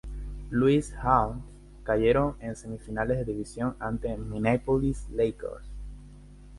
Louis Hawks, cayeron en semifinales de división ante Minneapolis Lakers.